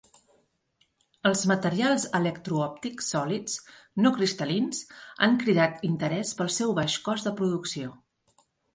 Els materials electro-òptics sòlids no cristal·lins han cridat interès pel seu baix cost de producció.